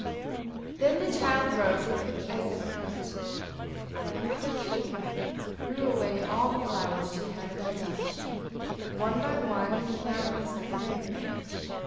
Then the child rose as if hurt, and quickly threw away all the flowers she had in her lap, but one by one, and without any sign of anger.